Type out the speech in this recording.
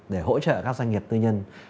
để hỗ trợ các doanh nghiệp tư nhân